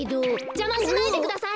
じゃましないでください！